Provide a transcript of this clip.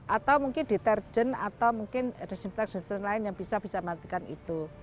atau mungkin deterjen atau mungkin disinfektan lain yang bisa bisa melakukan itu